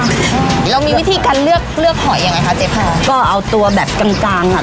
เรามีวิธีการเลือกเลือกหอยยังไงคะเจ๊พอก็เอาตัวแบบกลางกลางอ่ะ